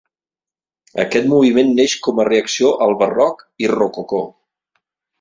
Aquest moviment neix com a reacció al Barroc i Rococó.